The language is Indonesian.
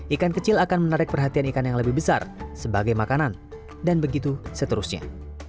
ikan kecil akan menarik perhatian ikan yang lebih besar sebagai makanan dan begitu seterusnya